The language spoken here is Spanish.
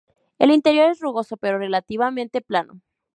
El interior es rugoso pero relativamente plano.